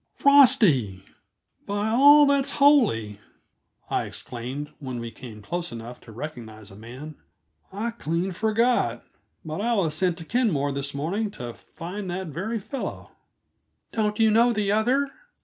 "Frosty, by all that's holy!" I exclaimed when we came close enough to recognize a man. "I clean forgot, but I was sent to Kenmore this morning to find that very fellow." "Don't you know the other?"